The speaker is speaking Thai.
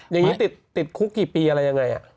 อย่างนี้ติดคุกกี่ปีอะไรอย่างไรล่ะ